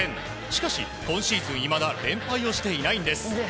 しかし、今シーズンいまだ連敗をしていないんです。